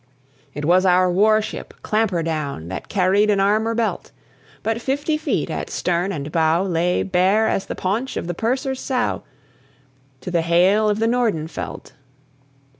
It was our war ship Clampherdown That carried an armour belt; But fifty feet at stern and bow, Lay bare as the paunch of the purser's sow, To the hail of the Nordenfeldt.